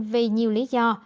vì nhiều lý do